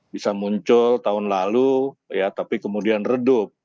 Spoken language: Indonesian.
bisa muncul tahun lalu ya tapi kemudian redup